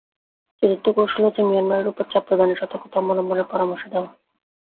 চতুর্থ কৌশল হচ্ছে, মিয়ানমারের ওপর চাপ প্রদানে সতর্কতা অবলম্বনের পরামর্শ দেওয়া।